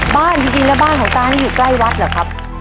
บ้านจริงแล้วบ้านของตานี่อยู่ใกล้วัดเหรอครับ